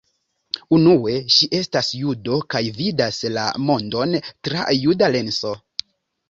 Unue, ŝi estas judo kaj vidas la mondon tra juda lenso.